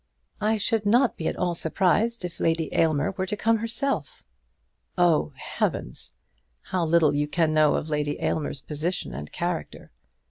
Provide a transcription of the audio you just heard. "I should not be at all surprised if Lady Aylmer were to come herself." "Oh, heavens! How little you can know of Lady Aylmer's position and character!"